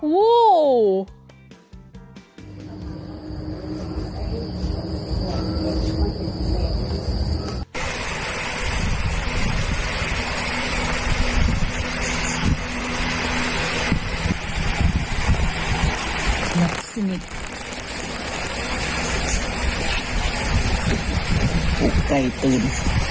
ปลูกไก่ตื่น